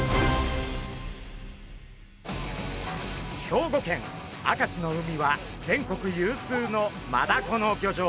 兵庫県明石の海は全国有数のマダコの漁場。